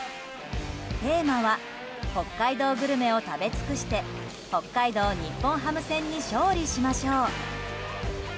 テーマは北海道グルメを食べ尽くして北海道日本ハム戦に勝利しましょう。